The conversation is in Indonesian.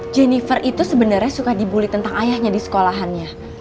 jennifer itu sebenarnya suka dibully tentang ayahnya di sekolahannya